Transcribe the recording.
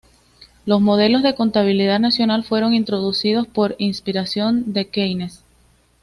Los modelos de contabilidad nacional fueron introducidos por inspiración de Keynes.